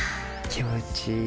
気持ちいい。